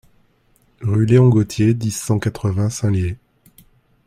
Rue Léon Gauthier, dix, cent quatre-vingts Saint-Lyé